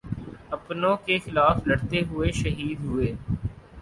اپنوں کیخلاف لڑتے ہوئے شہید ہوئے